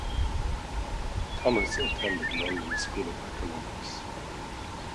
Thomas attended London School of Economics.